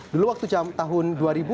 dulu waktu tahun dua ribu